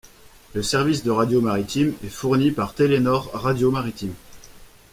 Le service de radio maritime est fourni par Telenor Radio Maritime.